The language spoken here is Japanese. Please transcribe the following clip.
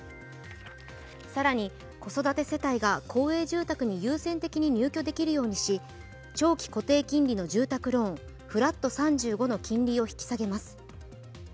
更に、子育て世帯が公営住宅を優先的に入居できるようにし長期固定金利の住宅ローンフラット３５の金利を引き下げます。